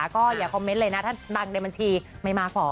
ก็อย่าคอมเมนต์เลยนะถ้าดังในบัญชีไม่มาขอ